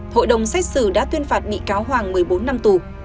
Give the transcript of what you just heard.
hội đồng xét xử đã tuyên phạt bị cáo hoàng một mươi bốn năm tù